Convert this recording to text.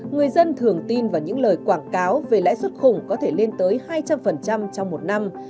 người dân thường tin vào những lời quảng cáo về lãi suất khủng có thể lên tới hai trăm linh trong một năm